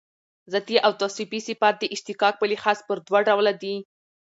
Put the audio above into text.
ذاتي او توصیفي صفات د اشتقاق په لحاظ پر دوه ډوله دي.